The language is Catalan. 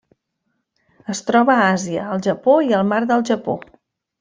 Es troba a Àsia: el Japó i el Mar del Japó.